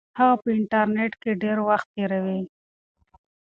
هغه په انټرنیټ کې ډېر وخت تیروي.